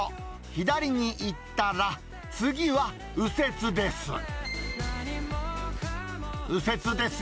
左に行ったら、次は右折です。